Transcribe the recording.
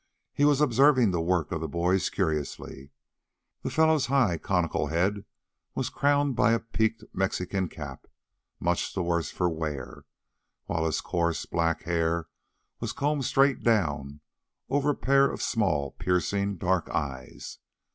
He was observing the work of the boys curiously. The fellow's high, conical head was crowned by a peaked Mexican hat, much the worse for wear, while his coarse, black hair was combed straight down over a pair of small, piercing, dark eyes.